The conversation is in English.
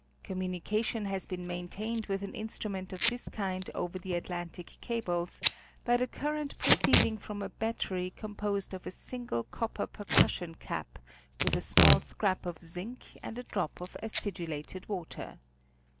Communication has been main Telegraphic Determinations of Longitude. 11 tained with an instrument of this kind over the Atlantic cables, by the current proceeding from a battery composed of a single copper percussion cap with a small scrap of zinc and a drop of acidulated water.